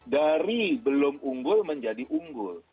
dari belum unggul menjadi unggul